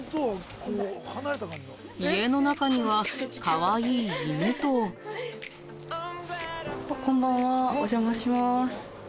家の中にはかわいい犬とこんばんはお邪魔します